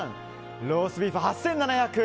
ローストビーフ８７００円